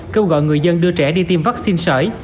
kêu gọi người dân đưa trẻ đi tiêm vaccine sởi